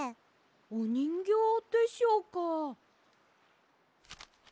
おにんぎょうでしょうか。